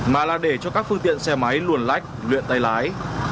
mà là để cho các phương tiện xe máy luồn lách luyện tay lái